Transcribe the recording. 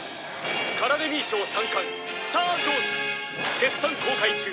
「カラデミー賞三冠『スタージョーズ』絶賛公開中」